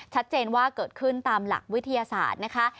ชัดเจนว่าเกิดขึ้นตามหลักวิทยาศาสตร์นะคะ